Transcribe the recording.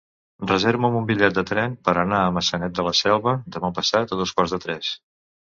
Reserva'm un bitllet de tren per anar a Maçanet de la Selva demà passat a dos quarts de tres.